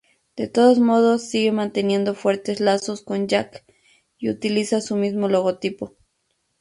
De todos modos sigue manteniendo fuertes lazos con Jat y utiliza su mismo logotipo.